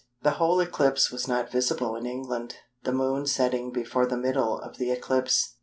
The whole eclipse was not visible in England, the Moon setting before the middle of the eclipse.